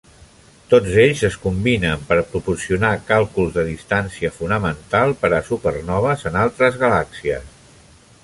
Tots ells es combinen per proporcionar càlculs de distància fonamental per a supernoves en altres galàxies.